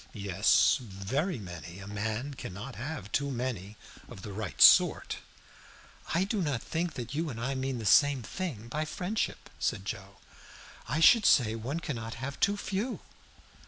"Yes, very many. A man cannot have too many of the right sort." "I do not think you and I mean the same thing by friendship," said Joe. "I should say one cannot have too few."